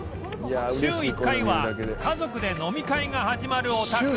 週１回は家族で飲み会が始まるお宅